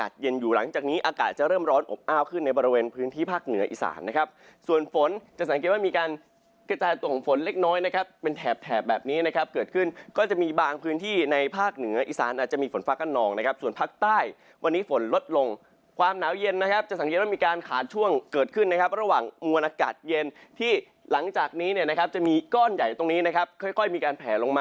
ทีนี้อากาศจะเริ่มร้อนอบอ้าวขึ้นในบริเวณพื้นที่ภาคเหนืออิสานนะครับส่วนฝนจะสังเกตว่ามีการกระจายตัวของฝนเล็กน้อยนะครับเป็นแถบแถบแบบนี้นะครับเกิดขึ้นก็จะมีบางพื้นที่ในภาคเหนืออิสานอาจจะมีฝนฟ้ากั้นนองนะครับส่วนภาคใต้วันนี้ฝนลดลงความหนาวเย็นนะครับจะสังเกตว่ามีการ